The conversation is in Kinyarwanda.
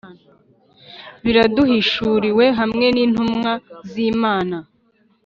biraduhishuriwe. hamwe n'intumwa z'imana